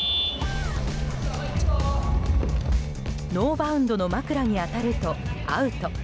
ノーバウンドの枕に当たるとアウト。